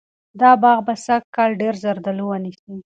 دا باغ به سږکال ډېر زردالو ونیسي.